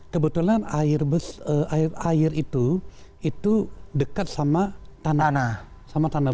kebetulan air itu itu dekat sama tanah